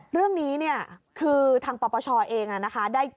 เรื่องนี้เนี่ยคือทางปปชเองนะคะ